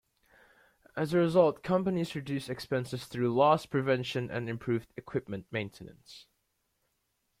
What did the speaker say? As a result, companies reduce expenses through loss prevention and improved equipment maintenance.